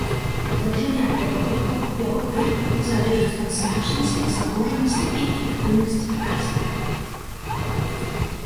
Даўжыня перагону, яго тып залежыць ад значнасці, загружанасці і эфектыўнасці выкарыстання.